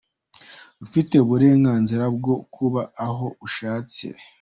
Ufite uburenganzira bwo kuba aho ushatse.